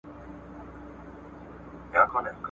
ولي محنتي ځوان د با استعداده کس په پرتله خنډونه ماتوي؟